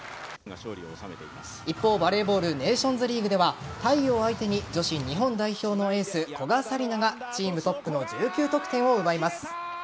一方、バレーボールネーションズリーグではタイを相手に女子日本代表のエース古賀紗理那がチームトップの１９得点を奪います。